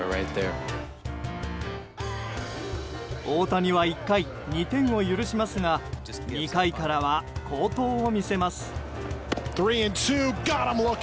大谷は１回、２点を許しますが２回からは好投を見せます。